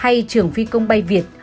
hay trường phi công bay việt